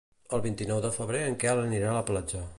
El vint-i-nou de febrer en Quel anirà a la platja.